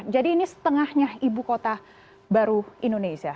jadi ini setengahnya ibu kota baru indonesia